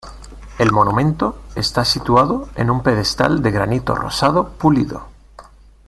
El monumento está situado en un pedestal de granito rosado pulido.